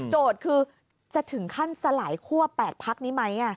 คือจะถึงขั้นสลายคั่ว๘พักนี้ไหม